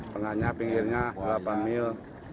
pengannya pinggirnya delapan mil